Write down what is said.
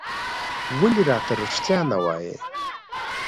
ولې راته رېښتيا نه وايې؟